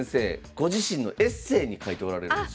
ご自身のエッセーに書いておられるんですよ。